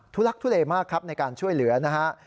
ลักทุเลมากครับในการช่วยเหลือนะฮะ